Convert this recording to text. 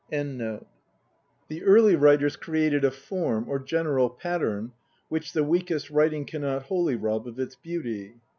2 The early writers created a "form" or general pattern which the weakest writing cannot wholly rob of its beauty.